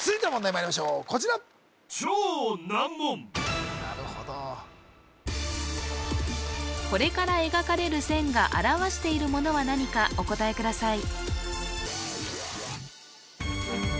まいりましょうこちらこれから描かれる線が表しているものは何かお答えください